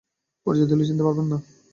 পরিচয় দিলেও চিনতে পারবেন না।